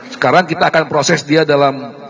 sekarang kita akan proses dia dalam